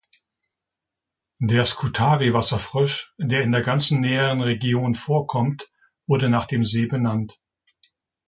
Der Skutari-Wasserfrosch, der in der ganzen näheren Region vorkommt, wurde nach dem See benannt.